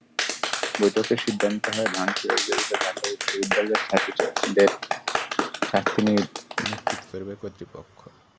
বৈঠকে সিদ্ধান্ত হয়, ভাঙচুরে জড়িত ঢাকা বিশ্ববিদ্যালয়ের ছাত্রদের শাস্তি নিশ্চিত করবে কর্তৃপক্ষ।